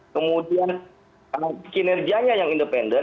kemudian kinerjanya yang independen